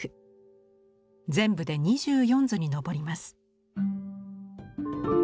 全部で２４図に上ります。